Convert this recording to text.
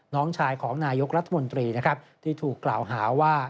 น้องชายของนายกรัฐมนตรีนะครับที่ถูกกล่าวหาว่า